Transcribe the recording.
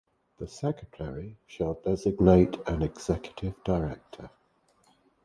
The Secretary shall designate an Executive Director.